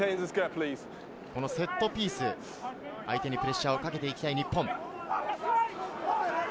セットピース、相手にプレッシャーをかけていきたい。